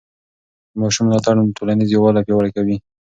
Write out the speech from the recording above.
د ماشوم ملاتړ ټولنیز یووالی پیاوړی کوي.